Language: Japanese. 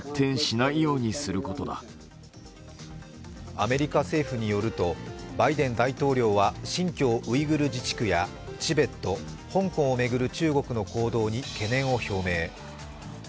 アメリカ政府によるとバイデン大統領は新疆ウイグル自治区やチベット、香港を巡る中国の行動に懸念を表明。